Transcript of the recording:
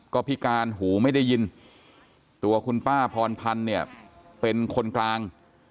ก็พิการหูไม่ได้ยินตัวคุณป้าพรพันธ์เนี่ยเป็นคนกลาง